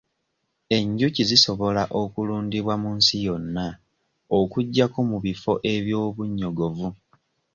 Enjuki zisobola okulundibwa mu nsi yonna okuggyako mu bifo eby'obunnyogovu.